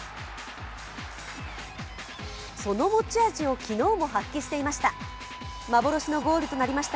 その持ち味を昨日も発揮していました。